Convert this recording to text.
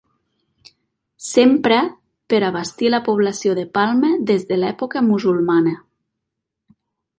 S'empra per abastir la població de Palma des de l'època musulmana.